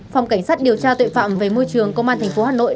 phòng cảnh sát điều tra tội phạm về môi trường công an tp hà nội